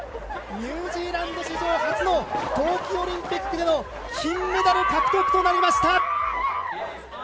ニュージーランド史上初の冬季オリンピックでの金メダル獲得となりました。